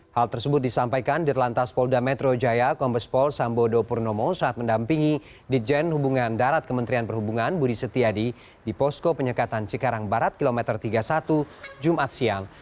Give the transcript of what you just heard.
hal tersebut disampaikan di lantas polda metro jaya kombespol sambodo purnomo saat mendampingi dijen hubungan darat kementerian perhubungan budi setiadi di posko penyekatan cikarang barat kilometer tiga puluh satu jumat siang